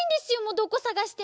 どこさがしても。